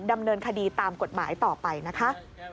ดำเนินคดีตามกฎหมายต่อไปนะคะ